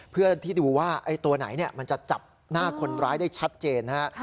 เพื่อที่ดูว่าตัวไหนมันจะจับหน้าคนร้ายได้ชัดเจนนะฮะ